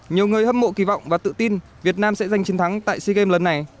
nhiều người hâm mộ kỳ vọng và tự tin việt nam sẽ giành chiến thắng tại sea games lần này